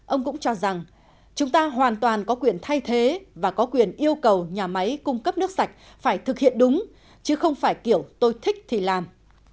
ông cũng cho rằng chúng ta hoàn toàn có quyền thay thế và có quyền yêu cầu nhà máy cung cấp nước sạch phải thực hiện đúng chứ không phải kiểu tôi thích thì làm